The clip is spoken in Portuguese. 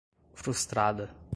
frustrada